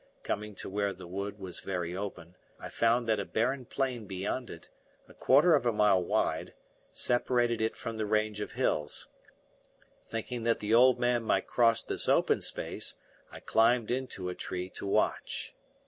Coming to where the wood was very open, I found that a barren plain beyond it, a quarter of a mile wide, separated it from the range of hills; thinking that the old man might cross this open space, I climbed into a tree to watch.